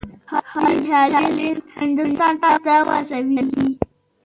حاجي خلیل هندوستان ته واستوي.